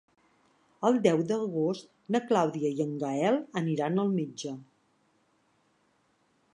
El deu d'agost na Clàudia i en Gaël aniran al metge.